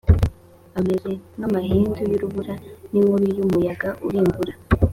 ameze nk’amahindu y’urubura n’inkubi y’umuyaga urimbura,